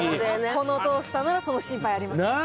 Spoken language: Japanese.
このトースターならその心配ありません。